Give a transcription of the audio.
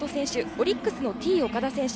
オリックスのＴ−岡田選手。